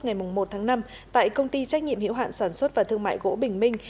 ngày một tháng năm tại công ty trách nhiệm hiệu hạn sản xuất và thương mại gỗ bình minh